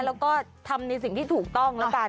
แล้วก็ทำในสิ่งที่ถูกต้องแล้วกัน